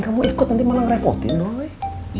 kamu ikut nanti malah ngerepotin boleh